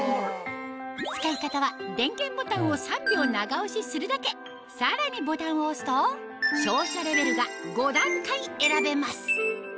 使い方は電源ボタンを３秒長押しするだけさらにボタンを押すと照射レベルが５段階選べます